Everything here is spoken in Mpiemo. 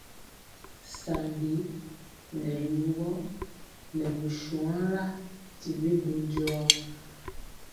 Saŋgi nɛ lugɔ nɛ bi shuanla ti bi du njɔɔ.